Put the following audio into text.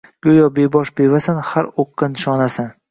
Goʼyo bebosh bevasan – har oʼqqa nishonasan.